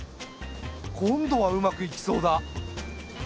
今度はうまくいきそうだ。